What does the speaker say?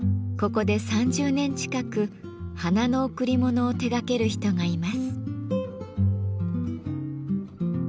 ここで３０年近く花の贈り物を手がける人がいます。